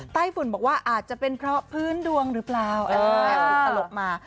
ใต้ฝุ่นบอกว่าอาจจะเป็นเพราะพื้นดวงหรือเปล่าอะไรแบบนี้สลบมา